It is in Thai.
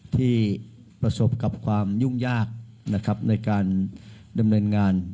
ที่ประสบกับความยุ่งยากนะครับในการดำเนินงาน